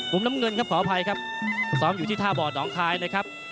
มุมน้ำเงินครับขออภัยครับซ้อมอยู่ที่ท่าบ่อหนองคายนะครับ